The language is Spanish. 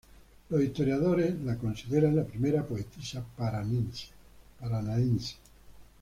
Los historiadores la consideran la primera poetisa paranaense.